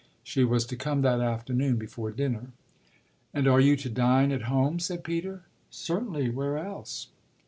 She was to come that afternoon before dinner. "And are you to dine at home?" said Peter. "Certainly; where else?"